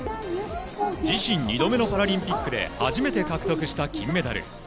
自身２度目のパラリンピックで初めて獲得した金メダル。